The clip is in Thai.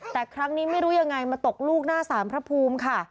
แต่ครั้งนี้ไม่รู้ยังไงมาตกลูกหน้าสารพระภูมิค่ะ